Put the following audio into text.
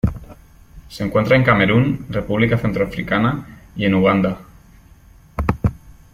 Se encuentra en Camerún República Centroafricana y en Uganda.